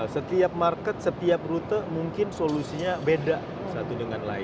setiap market setiap rute mungkin solusinya beda satu dengan lain